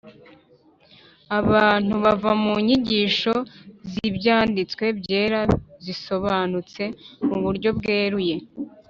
abantu bava mu nyigisho z’ibyanditswe byera zisobanutse mu buryo bweruye,